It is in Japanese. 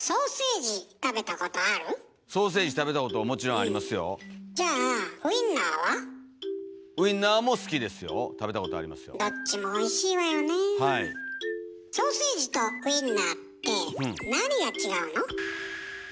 ソーセージとウインナーってなにが違うの？